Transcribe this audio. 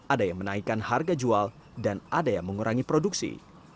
ada yang menaikkan harga jual dan ada yang mengurangi produksi